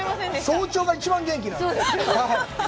早朝が一番元気なんです。